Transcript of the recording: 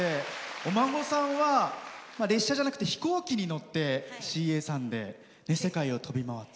お孫さんは、列車じゃなくて飛行機に乗ってＣＡさんで世界を飛び回って。